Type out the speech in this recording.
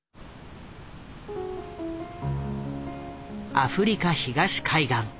アフリカ東海岸。